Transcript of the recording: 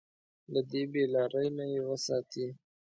له دې بې لارۍ نه يې وساتي.